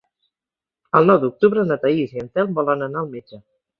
El nou d'octubre na Thaís i en Telm volen anar al metge.